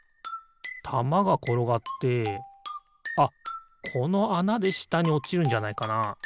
たまがころがってあっこのあなでしたにおちるんじゃないかな？